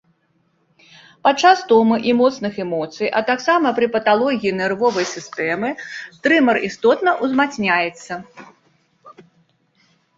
Падчас стомы і моцных эмоцый, а таксама пры паталогіі нервовай сістэмы трэмар істотна ўзмацняецца.